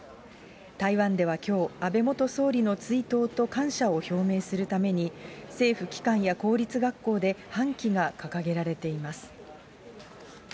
台湾ではきょう、安倍元総理の追悼と感謝を表明するために、政府機関や公立学校で半旗が掲げられています。